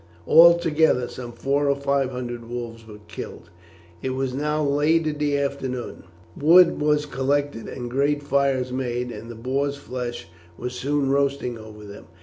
Altogether some four or five hundred wolves were killed. It was now late in the afternoon. Wood was collected and great fires made, and the boars' flesh was soon roasting over them.